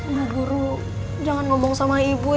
bu guru jangan ngomong sama ibu ya